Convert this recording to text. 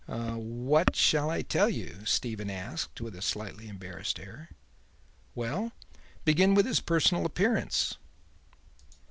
"What shall I tell you?" Stephen asked with a slightly embarrassed air. "Well, begin with his personal appearance."